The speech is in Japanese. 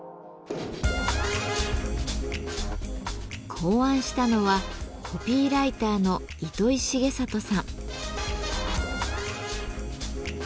考案したのはコピーライターの糸井重里さん。